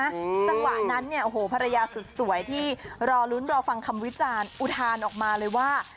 จังหวะนั้นเนี่ยโอ้โหภรรยาสุดสวยที่รอลุ้นรอฟังคำวิจารณ์อุทานออกมาเลยว่า